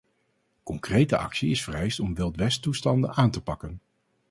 Concrete actie is vereist om wildwesttoestanden aan te pakken.